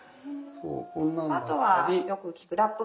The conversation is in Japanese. あとはよく聞くラップ